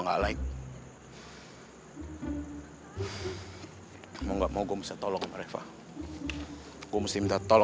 nggak ada siapa siapa lagi disitu